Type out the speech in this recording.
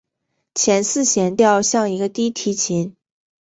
前四弦调像一个低提琴。